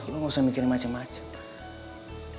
lu ga usah mikirin macem macem